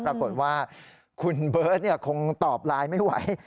ปรากฏว่าคุณเบิร์ตคงตอบไลน์ไม่ไหว